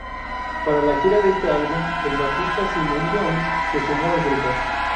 Para la gira de este álbum, el bajista Simon Johns se sumó al grupo.